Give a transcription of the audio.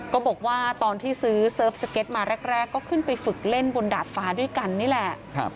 ก็บอกว่าตอนที่ซื้อเสิร์ฟสเก็ตมาแรกก็ขึ้นไปฝึกเล่นบนดาดฟ้าด้วยกันนี่แหละ